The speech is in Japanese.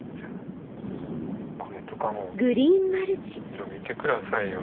これとかも色見てくださいよ。